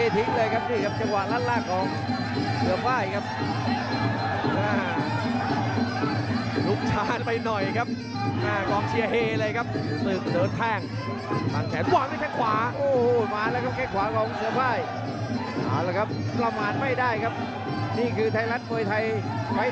เสือฟ้ายก็พยายามจะเล่นเกมเขี่ยวมันพยายามจะคืนด้วยมัน